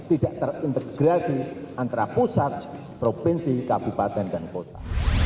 tidak terintegrasi antara pusat provinsi kabupaten dan kota